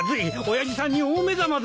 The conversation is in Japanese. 親父さんに大目玉だ。